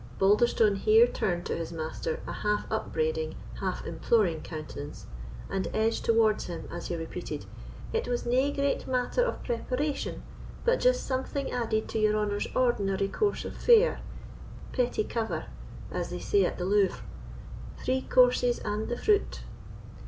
Balderstone here turned to his master a half upbraiding, half imploring countenance, and edged towards him as he repeated, "It was nae great matter of preparation; but just something added to your honour's ordinary course of fare—petty cover, as they say at the Louvre—three courses and the fruit."